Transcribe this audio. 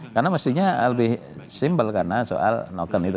karena mestinya lebih simple karena soal noken itu